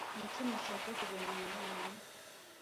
Ni iki mushaka kugura mwa bana mwe?